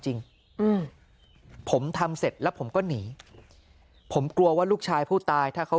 จริงอืมผมทำเสร็จแล้วผมก็หนีผมกลัวว่าลูกชายผู้ตายถ้าเขา